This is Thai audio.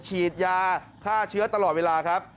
ฉีดยาฆ่าเชื้อตลอดเวลาครับ